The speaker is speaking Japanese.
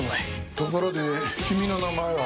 ところで君の名前は？